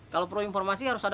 kalau perlu informasi harus ada